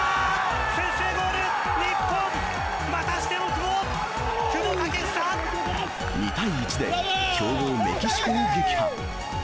先制ゴール、日本、またしても久保、２対１で強豪、メキシコを撃破。